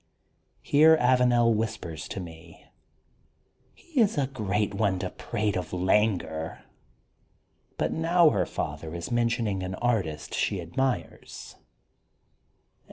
Here Avanel whispers to me: "He is a great one to prate of languor. But now her father is mentioning an artist she admires.